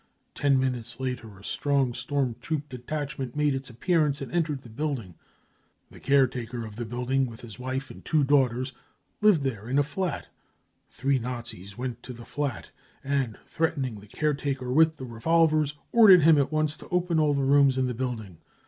Ten minutes later a strong storm troop detachment made its appearance and entered the building. The caretaker of the building with his wife and two daughters lived there in a flat ; three Nazis went to the^flat and, threatening the caretaker with their revolvers, ordered him at once to open all the rooms in the building.